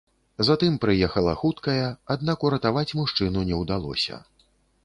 Затым прыехала хуткая, аднак уратаваць мужчыну не ўдалося.